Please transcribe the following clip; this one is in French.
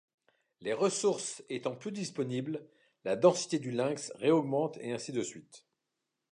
Les ressources étant plus disponibles, la densité du lynx ré-augmente et ainsi de suite.